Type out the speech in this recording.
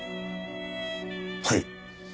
はい。